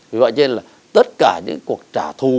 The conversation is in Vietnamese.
vì vậy nên là tất cả những cuộc trả thù